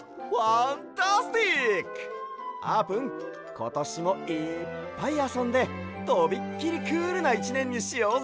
ことしもいっぱいあそんでとびっきりクールな１ねんにしようぜ！